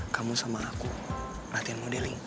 kamu sama aku latihan modeling